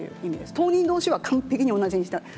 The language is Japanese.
当人どうしは完璧に同じにしたい。